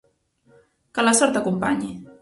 Que la sort t'acompanyi!